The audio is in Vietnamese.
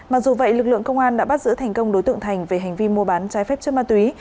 mặc dù vậy lực lượng công an đã bắt giữ thành công đối tượng thành về hành vi mua bán trái phép chất ma túy